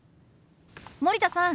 森田さん